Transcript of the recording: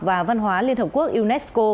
và văn hóa liên hợp quốc unesco